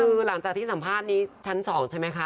คือหลังจากที่สัมภาษณ์นี้ชั้น๒ใช่ไหมคะ